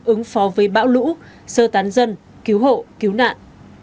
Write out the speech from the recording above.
ứng phó với bão lũ sơ tán dân cứu hộ cứu nạn